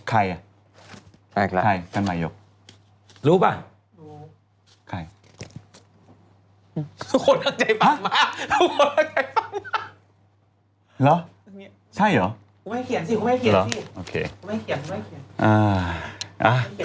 ใครด่ะแม่แกละค่ะแฟนใหม่ยก